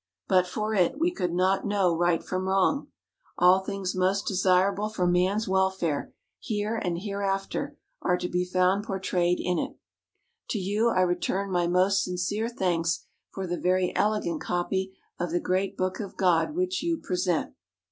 But for it, we could not know right from wrong. All things most desirable for man's welfare, here and hereafter, are to be found portrayed in it. "To you I return my most sincere thanks for the very elegant copy of the great Book of God which you present."